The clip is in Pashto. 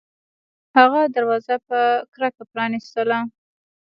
هغه دروازه په کرکه پرانیستله